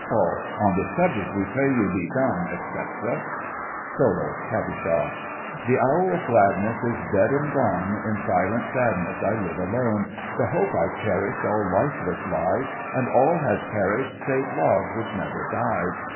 ALL. On this subject we pray you be dumb, etc. SOLO—KATISHA. The hour of gladness Is dead and gone; In silent sadness I live alone! The hope I cherished All lifeless lies, And all has perished Save love, which never dies!